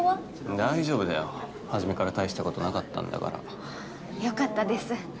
大丈夫だよ初めから大したことなかったんだからよかったです